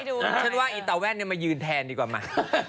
ฉันว่าอีตาแว่นมายืนแทนดีกว่ามา